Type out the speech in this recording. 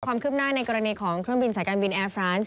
ความคืบหน้าในกรณีของเครื่องบินสายการบินแอร์ฟรานซ์